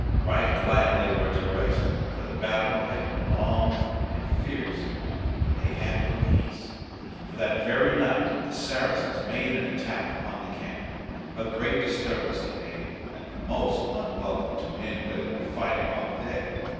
Right glad they were to rest, for the battle had been long and fierce. But they had but little peace, for that very night the Saracens made an attack upon the camp. A great disturbance they made, and most unwelcome to men who had been fighting all the day.